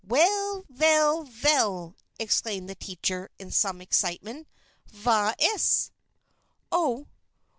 "Vell, vell, vell!" exclaimed the teacher, in some excitement. "Vas iss?" "Oh!